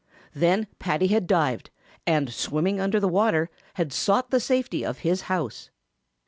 Then Paddy had dived, and swimming under water, had sought the safety of his house.